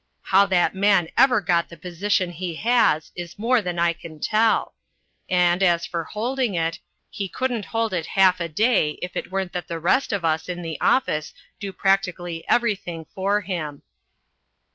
How that man ever got the position he has is more than I can tell. And, as for holding it, he couldn't hold it half a day if it weren't that the rest of us in the office do practically everything for him.